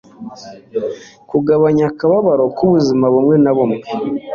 kugabanya akababaro k'ubuzima bumwe na bumwe